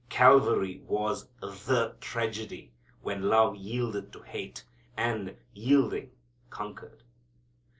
Calvary was the tragedy when love yielded to hate and, yielding, conquered.